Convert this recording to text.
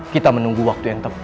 kita menunggu waktu yang tepat